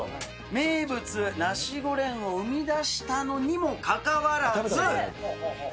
名物、ナシゴレンを生み出したのにもかかわらず。